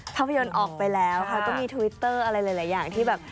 ภาพยนตร์ออกไปแล้วค่ะก็มีทวิตเตอร์อะไรหลายอย่างที่แบบ